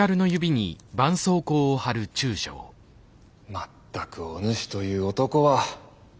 まったくおぬしという男は。